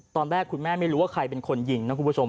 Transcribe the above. ตอนแรกคุณแม่ไม่รู้ว่าใครเป็นคนยิงนะคุณผู้ชม